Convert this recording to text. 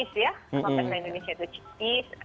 kalau di indonesia itu cipis